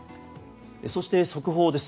そして速報です。